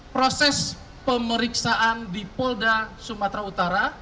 proses pemeriksaan di polda sumatera utara